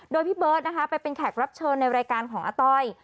โดยพี่เบิร์ตนะคะไปเป็นแขกรับเชิญในรายการของอาต้อย